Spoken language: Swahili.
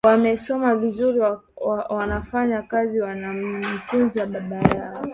wamesoma vizuri wanafanya kazi wanamtunza baba yao